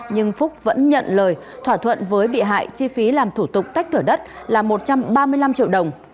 nhưng phúc vẫn nhận lời thỏa thuận với bị hại chi phí làm thủ tục tách thửa đất là một trăm ba mươi năm triệu đồng